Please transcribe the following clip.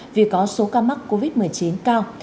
vì có số ca mắc covid một mươi chín cao